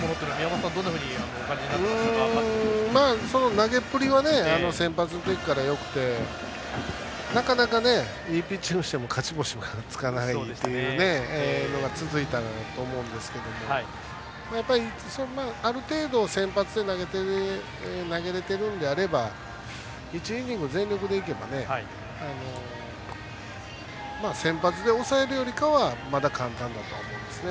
投げっぷりは先発の時からよくてなかなか、いいピッチングしても勝ち星がつかないというのが続いたと思うんですけどやっぱり、ある程度、先発で投げれているのであれば１イニング全力でいけば先発で抑えるよりかはまだ簡単だとは思うんですね。